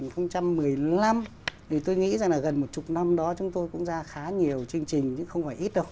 năm hai nghìn một mươi năm thì tôi nghĩ rằng là gần một chục năm đó chúng tôi cũng ra khá nhiều chương trình nhưng không phải ít đâu